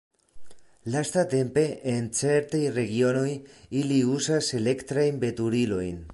Lastatempe en certaj regionoj ili uzas elektrajn veturilojn.